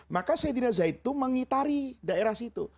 maka sayyidina zaid itu mengitari daerah situ